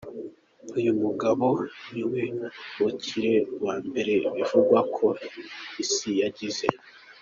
Uyu mugabo niwe mukire wa mbere bivugwa ko isi yagize.